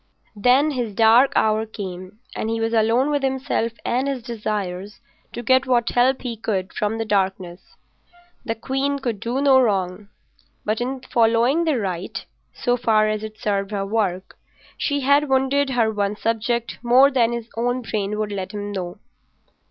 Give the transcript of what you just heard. Then his dark hour came and he was alone with himself and his desires to get what help he could from the darkness. The queen could do no wrong, but in following the right, so far as it served her work, she had wounded her one subject more than his own brain would let him know.